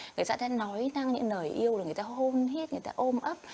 người ta đang nói năng những lời yêu người ta hôn hít người ta ôm ấp